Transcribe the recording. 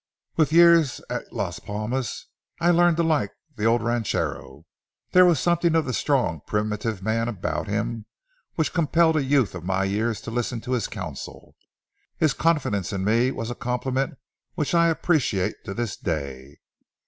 '" With years at Las Palomas, I learned to like the old ranchero. There was something of the strong, primitive man about him which compelled a youth of my years to listen to his counsel. His confidence in me was a compliment which I appreciate to this day.